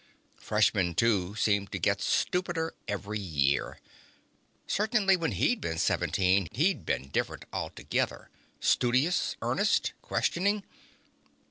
Freshmen, too, seemed to get stupider every year. Certainly, when he'd been seventeen, he'd been different altogether. Studious, earnest, questioning